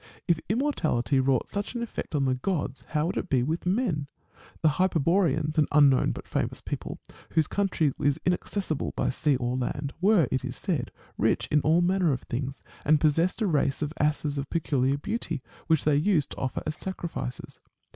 '^ If immortality wrought such an effect on the gods, how would it be with men ? The Hyper boreans, an unknown but famous people, whose country is inaccessible by sea or land, were, it is said, rich in all manner of things, and possessed a race of asses of peculiar beauty, which they used to offer as sacrifices.